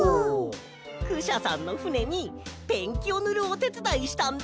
クシャさんのふねにペンキをぬるおてつだいしたんだ！